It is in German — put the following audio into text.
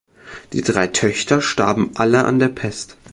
Die drei Töchter starben alle an der Pest.